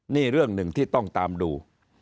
นี่เรื่องหนึ่งที่ต้องตามดู